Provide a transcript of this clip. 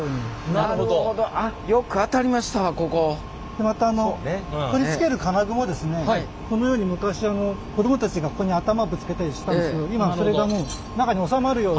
またあのこのように昔子どもたちがここに頭ぶつけたりしたんですけど今はそれがもう中に収まるように。